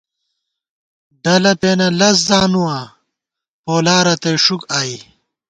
ڈلہ پېنہ لز زانُواں ، پولا رتئ ݭُک آئی